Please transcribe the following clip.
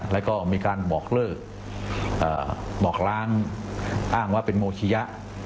แล้วก็มีการบอกเลิกบอกล้างอ้างว่าเป็นโมชิยะ